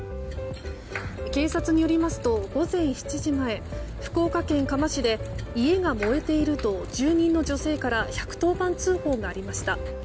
警察によりますと、午前７時前福岡県嘉麻市で家が燃えていると住人の女性から１１０番通報がありました。